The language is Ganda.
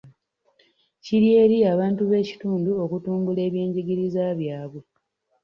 Kiri eri abantu b'ekitundu okutumbula ebyenjigiriza byabwe.